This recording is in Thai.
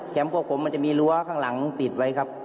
พวกผมมันจะมีรั้วข้างหลังติดไว้ครับ